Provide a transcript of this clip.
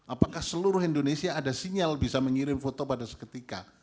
apakah seluruh indonesia ada sinyal bisa mengirim foto pada seketika